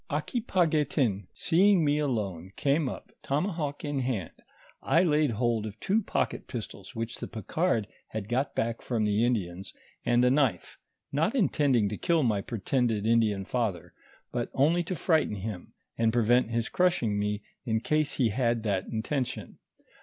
Aquipaguetin seeing me alone came up, tomahawk in hand : I laid hold of two pocket pistols, which the Picard had got back from the Indians, and a knife, not intending to kill my pretended Indian father, but only to frighten him, and prevent his crushing me, in case he had that intention.